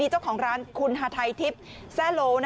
นี่เจ้าของร้านคุณฮาไทจิ๊ปแซโล